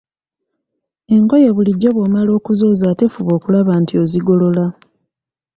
Engoye bulijjo bw'omala okuzooza ate fuba okulaba nti ozigolola.